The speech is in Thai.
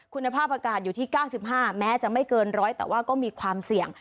คุณภาพอากาศอยู่ที่๙๕แม้จะไม่เกิน๑๐๐แต่ว่าก็มีความเสี่ยง